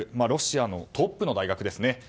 ロシアのトップの大学ですね。